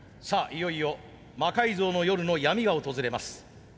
いよいよ「魔改造の夜」の闇が訪れます。